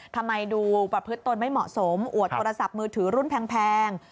ทำไมดูประพฤติตนไม่เหมาะสมอวดโทรศัพท์มือถือรุ่นแพง